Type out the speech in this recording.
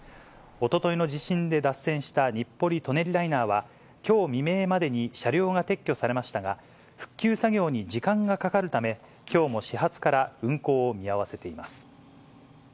おとといの地震で脱線した日暮里・舎人ライナーは、きょう未明までに車両が撤去されましたが、復旧作業に時間がかかるため、きょうも始発から運行を見合わせています。